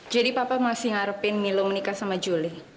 jadi papa masih ngarepin milo menikah sama julie